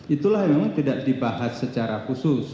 itulah memang tidak dibahas secara khusus